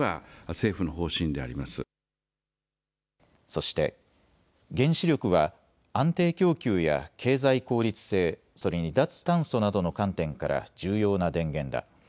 そして原子力は安定供給や経済効率性、それに脱炭素などの観点から重要な電源だ。